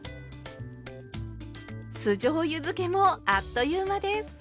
酢じょうゆづけもあっという間です。